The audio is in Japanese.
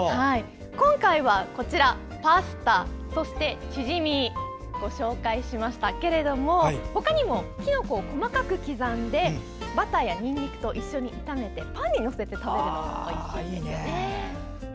今回はパスタ、そしてチヂミをご紹介しましたけれどもほかにも、きのこを細かく刻んでバターやにんにくと一緒に炒めてパンに載せて食べるのもおいしいですよね。